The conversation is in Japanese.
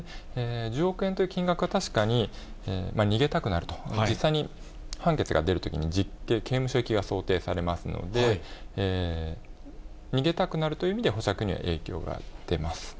１０億円という金額は、確かに逃げたくなると、実際に判決が出るときに実刑、刑務所行きが想定されますので、逃げたくなるという意味で、保釈には影響が出ます。